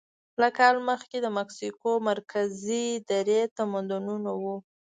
له کال مخکې د مکسیکو مرکزي درې تمدنونه وو.